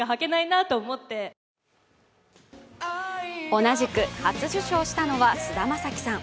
同じく初受賞したのは菅田将暉さん。